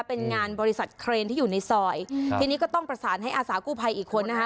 เป็นงานบริษัทเครนที่อยู่ในซอยทีนี้ก็ต้องประสานให้อาสากู้ภัยอีกคนนะคะ